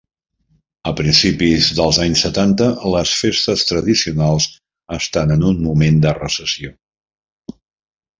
A principis dels anys setanta les festes tradicionals estan en un moment de recessió.